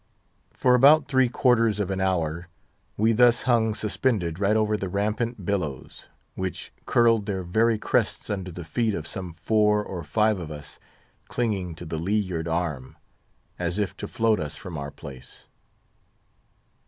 For about three quarters of an hour we thus hung suspended right over the rampant billows, which curled their very crests under the feet of some four or five of us clinging to the lee yard arm, as if to float us from our place.